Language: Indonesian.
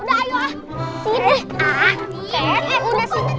eh udah sini